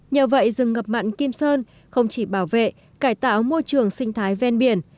nhờ vậy rừng ngập mặn kim sơn không chỉ bảo vệ cải tạo môi trường sinh thái ven biển